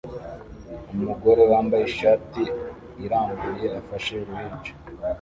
Umugore wambaye ishati irambuye afashe uruhinja